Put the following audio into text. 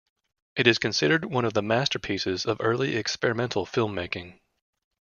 It is considered one of the masterpieces of early experimental filmmaking.